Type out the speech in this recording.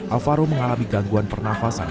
alvaro mengalami gangguan pernafasan